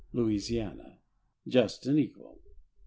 (Louisiana.)—Just and equal!